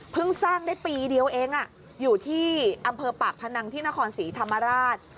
สร้างได้ปีเดียวเองอยู่ที่อำเภอปากพนังที่นครศรีธรรมราช